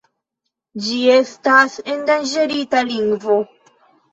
Ĝi estas endanĝerita lingvo.